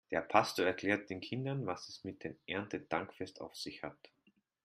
Der Pastor erklärt den Kindern, was es mit dem Erntedankfest auf sich hat.